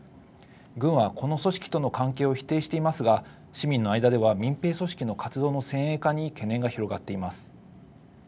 軍は、この組織との関係を否定していますが、市民の間では民兵組織の活動の先鋭化に懸念が広がっています。